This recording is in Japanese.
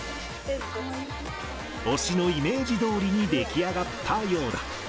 推しのイメージどおりに出来上がったようだ。